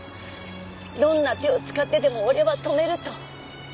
「どんな手を使ってでも俺は止める」と。